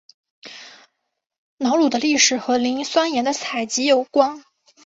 瑙鲁的历史和磷酸盐的采集有关。